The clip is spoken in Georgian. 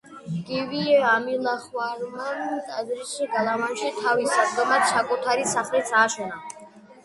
გივი ამილახვარმა ტაძრის გალავანში „თავის სადგომად“ საკუთარი სახლიც ააშენა.